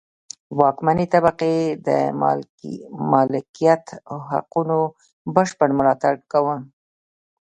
واکمنې طبقې د مالکیت حقونو بشپړ ملاتړ کاوه.